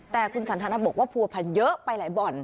แต่คุณสันทนับบอกว่าภูมิภัณฑ์เยอะไปหลายบ่อน